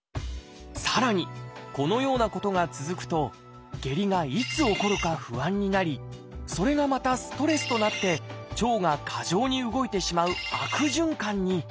さらにこのようなことが続くと下痢がいつ起こるか不安になりそれがまたストレスとなって腸が過剰に動いてしまう悪循環に。